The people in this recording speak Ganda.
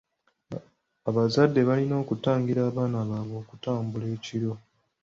Abazadde balina okutangira abaana baabwe okutambula ekiro.